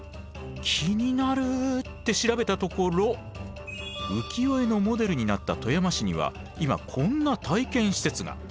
気になるって調べたところ浮世絵のモデルになった富山市には今こんな体験施設が。